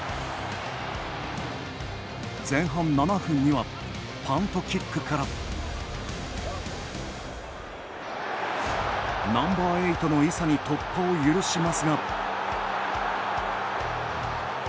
前半７分にはパントキックからナンバーエイトのイサに突破を許しますが。